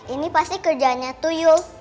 ini pasti kerjanya tuyul